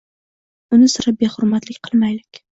Uni sira behurmatlik qilmaylik!